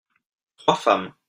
trois femmes.